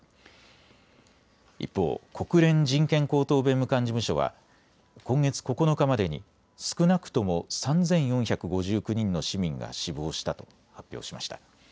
一方、国連人権高等弁務官事務所は今月９日までに少なくとも３４５９人の市民が死亡したと発表しました。